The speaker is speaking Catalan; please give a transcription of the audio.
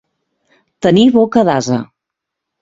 Tenir boca d'ase.